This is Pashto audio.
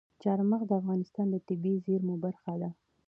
چار مغز د افغانستان د طبیعي زیرمو برخه ده.